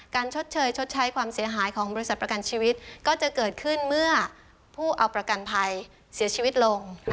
ชดเชยชดใช้ความเสียหายของบริษัทประกันชีวิตก็จะเกิดขึ้นเมื่อผู้เอาประกันภัยเสียชีวิตลง